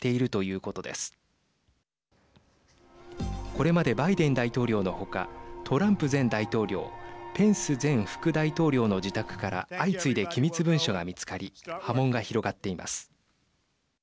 これまでバイデン大統領の他トランプ前大統領ペンス前副大統領の自宅から相次いで機密文書が見つかり波紋が広がっています。